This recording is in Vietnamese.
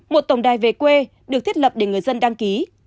một tổng đài về quê được thiết lập để người dân đăng ký